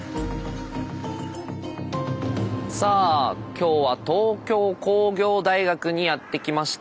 さあ今日は東京工業大学にやって来ました。